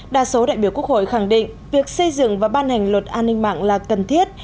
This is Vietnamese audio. đa số đại biểu quốc hội khẳng định việc xây dựng và ban hành luật an ninh mạng là cần thiết